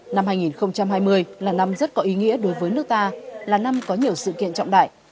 năm hai nghìn hai mươi là năm rất có ý nghĩa đối với nước ta là năm có nhiều sự kiện trọng đại